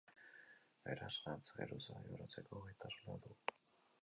Beraz, gantz geruza igarotzeko gaitasuna du.